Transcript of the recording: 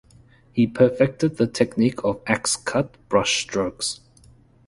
He perfected the technique of "axe-cut" brush-strokes.